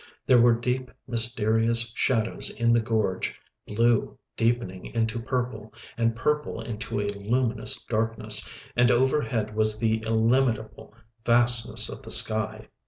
There were deep, mysterious shadows in the gorge, blue deepening into purple, and purple into a luminous darkness, and overhead was the illimitable vastness of the sky.